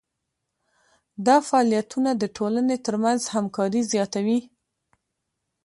دا فعالیتونه د ټولنې ترمنځ همکاري زیاتوي.